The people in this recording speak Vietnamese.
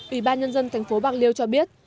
ủy ban nhân dân thành phố bạc liêu cho biết